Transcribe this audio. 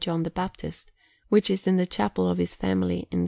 John the Baptist, which is in the chapel of his family in S.